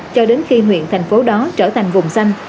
cho đến khi huyện thành phố đó trở thành vùng xanh